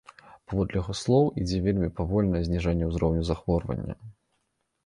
Паводле яе слоў, ідзе вельмі павольнае зніжэнне ўзроўню захворвання.